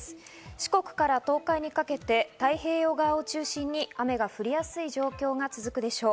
四国から東海にかけて太平洋側を中心に雨が降りやすい状況が続くでしょう。